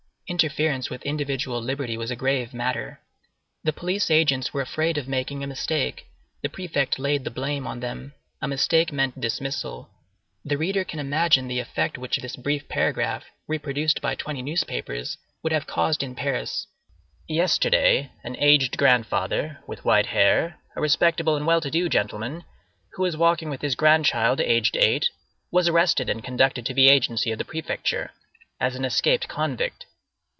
Interference with individual liberty was a grave matter. The police agents were afraid of making a mistake; the prefect laid the blame on them; a mistake meant dismissal. The reader can imagine the effect which this brief paragraph, reproduced by twenty newspapers, would have caused in Paris: "Yesterday, an aged grandfather, with white hair, a respectable and well to do gentleman, who was walking with his grandchild, aged eight, was arrested and conducted to the agency of the Prefecture as an escaped convict!"